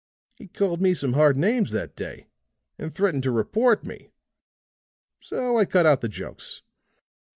He called me some hard names that day and threatened to report me. So I cut out the jokes."